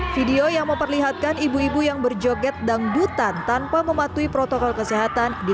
video yang memperlihatkan ibu ibu yang berjoget dangdutan tanpa mematuhi protokol kesehatan di